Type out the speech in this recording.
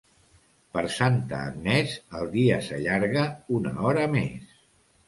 Per Santa Agnès el dia s'allarga una hora més.